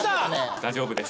大丈夫です。